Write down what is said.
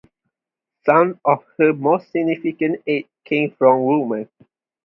Some of her most significant aid came from women.